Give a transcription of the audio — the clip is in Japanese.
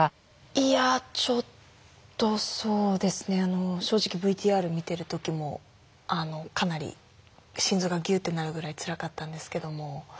いやちょっとそうですね正直ＶＴＲ見てる時もかなり心臓がギュッてなるぐらいつらかったんですけども。